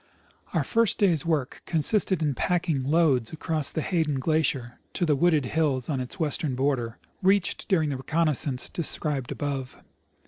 Our first day's work consisted in packing loads across the Hayden glacier to the wooded hills on its Avestern border, reached during the reconnoissance de scribed above.